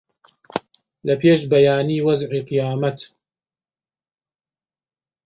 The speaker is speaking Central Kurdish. لە پێش بەیانی وەزعی قیامەت